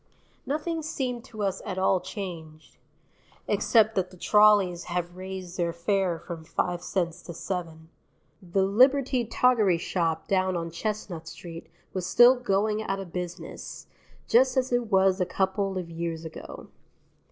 Nothing seemed to us at all changed except that the trolleys have raised their fare from five cents to seven. The Liberty Toggery Shop down on Chestnut Street was still "Going Out of Business," just as it was a couple of years ago.